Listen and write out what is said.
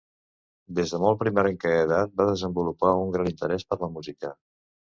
Des de molt primerenca edat va desenvolupar un gran interès per la música.